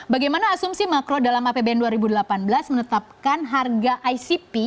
bagaimana asumsi makro dalam apbn dua ribu delapan belas menetapkan harga icp